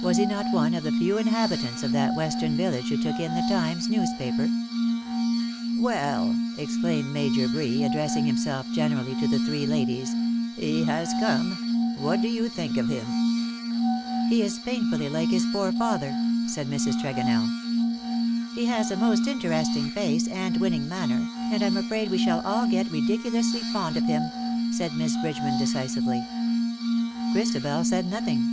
Was he not one of the few inhabitants of that western village who took in the Times newspaper ?" Well V exclaimed Major Bree, addressing him self generally to the three ladies, " he has come — what do you think of him ?'^' He is painfully like his poor father,^^ said Mrs. Tregonell. " He has a most interesting face and winning manner, and I^ii afraid we shall all get ridiculously fond of him/^ said Miss Bridgeman, decisively. Christabel said nothing.